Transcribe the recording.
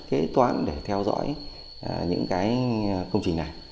kế toán để theo dõi những cái công trình này